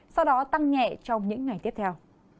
sau đó tăng nhẹ trong những ngày tiếp theo